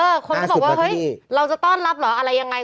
เออคนที่บอกว่าเราจะต้อนรับเหรออะไรยังไง